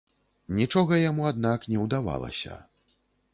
Нічога яму, аднак, не ўдавалася.